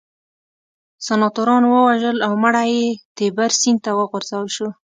سناتورانو ووژل او مړی یې تیبر سیند ته وغورځول شو